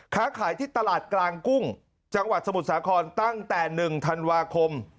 ค้าขายที่ตลาดกลางกุ้งจังหวัดสมุทรสาครตั้งแต่๑ธันวาคม